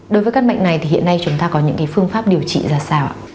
đối với các bệnh này thì hiện nay chúng ta có những phương pháp điều trị ra sao ạ